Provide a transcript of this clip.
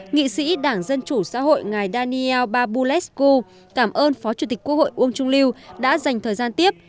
nghị sĩ đảng dân chủ xã hội ngài daniel babulesku cảm ơn phó chủ tịch quốc hội uông trung lưu đã dành thời gian tiếp